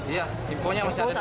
iya imponya masih ada dua korban